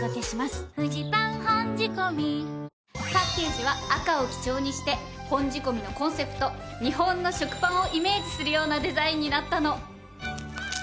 「フジパン本仕込」パッケージは赤を基調にして本仕込のコンセプト「日本の食パン」をイメージするようなデザインになったの。